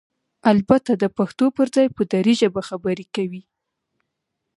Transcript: البته دپښتو پرځای په ډري ژبه خبرې کوي؟!